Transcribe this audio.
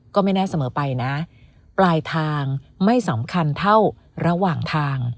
ก็ไม่แน่เสมอไปนะปลายทางไม่สำคัญเท่าระหว่างทาง